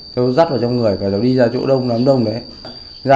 cháu dắt vào trong người và cháu đi ra chỗ đông nắm đông đấy